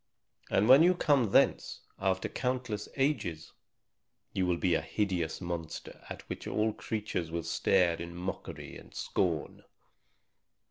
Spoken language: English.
And when you come thence, after countless ages, you will be a hideous monster at which all creatures will stare in mockery and scorn."